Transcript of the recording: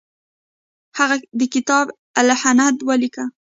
هغه د کتاب الهند ولیکه.